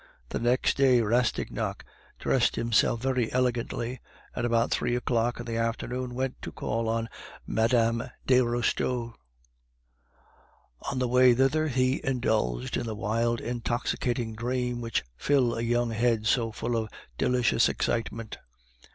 The next day Rastignac dressed himself very elegantly, and about three o'clock in the afternoon went to call on Mme. de Restaud. On the way thither he indulged in the wild intoxicating dreams which fill a young head so full of delicious excitement.